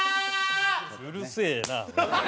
うるせえな！